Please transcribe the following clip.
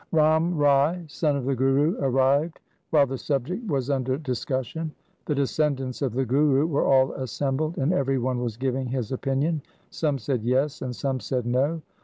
Ram Rai, son of the Guru, arrived while the subject was under discussion. The descendants of the Guru were all assembled, and every one was giving his opinion. Some said 'Yes', and some said 'No'.